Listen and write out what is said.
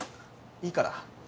いいから。